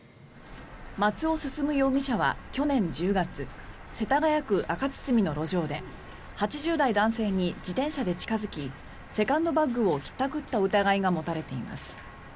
松尾将容疑者は去年１０月世田谷区赤堤の路上で８０代男性に自転車で近付きセカンドバッグをひったくった疑いが持たれています。